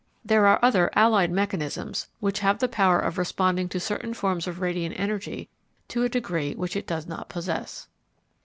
There are other allied mechanisms which have the power of responding to certain forms of radiant energy to a degree which it does not possess."